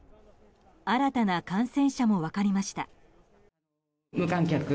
新たな感染者も分かりました。